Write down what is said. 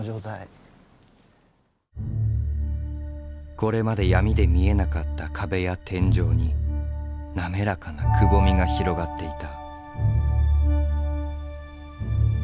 これまで闇で見えなかった壁や天井に滑らかなくぼみが広がっていた。